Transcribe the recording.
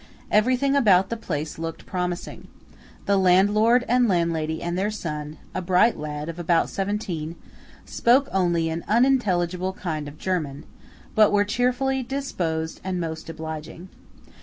Everything about the place looked promising. The landlord and landlady and their son, a bright lad of about seventeen, spoke only an unintelligible kind of German; but were cheerfully disposed and most obliging.